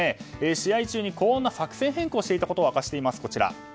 試合中にこんな作戦変更をしていたことを明かしています。